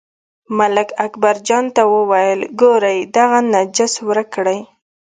ملک اکبرجان ته وویل، ګورئ دغه نجس ورک کړئ.